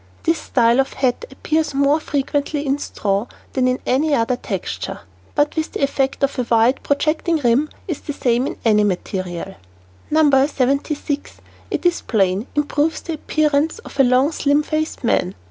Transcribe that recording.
This style of hat appears more frequently in straw than in any other texture, but the effect of a wide, projecting rim is the same in any material. No. 76, it is plain, improves the appearance of the long, slim faced man.